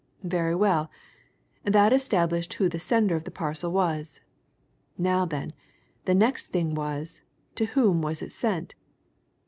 Very well that established who the sender of the parcel was. Now then, the next thing was to whom was it sent.